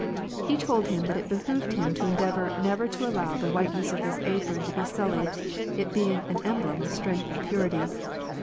He told him that it behooved him to endeavor never to al low the whiteness of this apron to be sullied, it being the em blem of strength and purity.